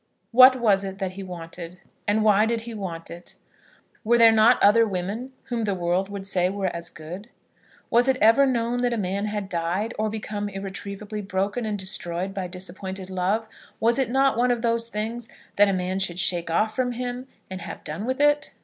What was it that he wanted, and why did he want it? Were there not other women whom the world would say were as good? Was it ever known that a man had died, or become irretrievably broken and destroyed by disappointed love? Was it not one of those things that a man should shake off from him, and have done with it?